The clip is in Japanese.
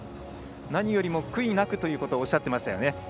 何よりも悔いなくということおっしゃっていましたよね。